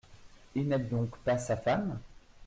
Il n’aime donc pas sa femme ?